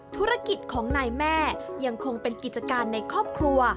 ธุรกิจของนายแม่ยังคงเป็นกิจการในครอบครัว